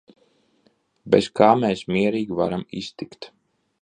Bez kā mēs mierīgi varam iztikt.